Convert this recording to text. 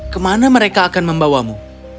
kemana mereka akan membawamu